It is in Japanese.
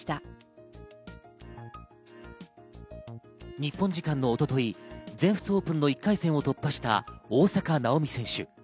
日本時間の一昨日、全仏オープンの１回戦を突破した大坂なおみ選手。